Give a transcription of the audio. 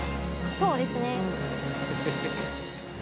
そうですね。